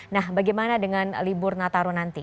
nah bagaimana dengan libur nataru nanti